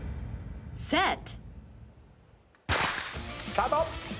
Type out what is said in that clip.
スタート！